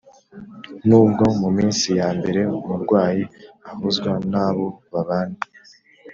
nubwo mu minsi ya mbere, umurwayi ahozwa n’abo babana